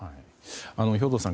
兵頭さん